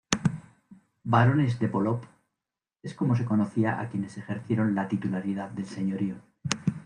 Barones de Polop es como se conocía a quienes ejercieron la titularidad del señorío.